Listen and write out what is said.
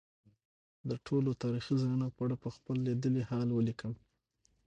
د ټولو تاریخي ځایونو په اړه به خپل لیدلی حال ولیکم.